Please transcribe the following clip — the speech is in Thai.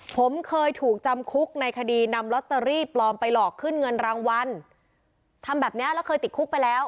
ผมเคยถูกจำคุกในคดีนำลอตเตอรี่ปลอมไปหลอกขึ้นเงินรางวัลทำแบบเนี้ยแล้วเคยติดคุกไปแล้ว